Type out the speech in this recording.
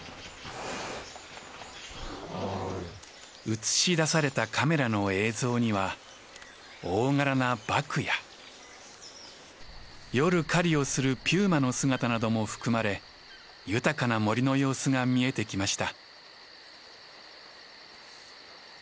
映し出されたカメラの映像には大柄なバクや夜狩りをするピューマの姿なども含まれ豊かな森の様子が見えてきました。